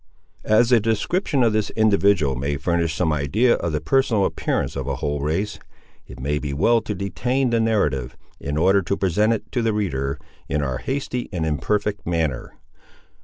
As a description of this individual may furnish some idea of the personal appearance of a whole race, it may be well to detain the narrative, in order to present it to the reader, in our hasty and imperfect manner.